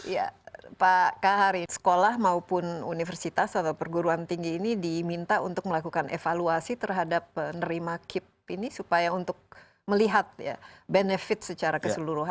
ya pak kahari sekolah maupun universitas atau perguruan tinggi ini diminta untuk melakukan evaluasi terhadap penerima kip ini supaya untuk melihat ya benefit secara keseluruhan